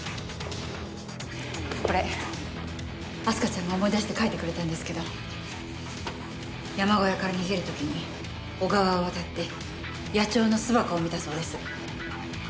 これ明日香ちゃんが思い出して書いてくれたんですけど山小屋から逃げる時に小川を渡って野鳥の巣箱を見たそうです。